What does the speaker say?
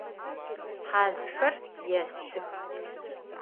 Къазхэр есых.